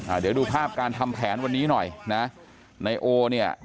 เดี๋ยวดูภาพการทำแผนวันนี้หน่อยนะนายโอเนี่ย